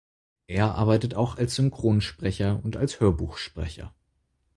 Er arbeitet auch als Synchronsprecher und als Hörbuchsprecher.